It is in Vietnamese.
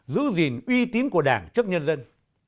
giữ gìn uy tín của đảng trước nhân dân